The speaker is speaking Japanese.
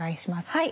はい。